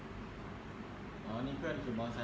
เนี่ยคนเนี่ยวิ่งไปดูก่อนเนาะ